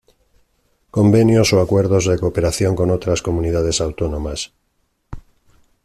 Convenios o acuerdos de cooperación con otras Comunidades Autónomas.